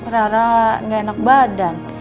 rara gak enak badan